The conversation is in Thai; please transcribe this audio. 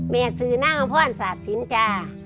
แม่ซื้อน่าพ่อนสัตว์ชิ้นจ้า